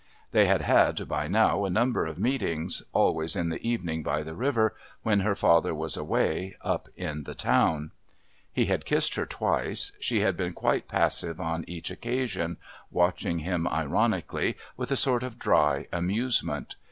They had had, by now, a number of meetings, always in the evening by the river, when her father was away, up in the town. He had kissed her twice. She had been quite passive on each occasion, watching him ironically with a sort of dry amusement.